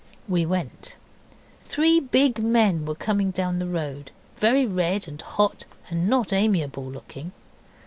We went. Three big men were coming down the road, very red and hot, and not amiable looking.